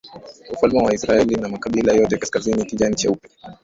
Ufalme wa Israeli na makabila yake kaskazini kijani cheupe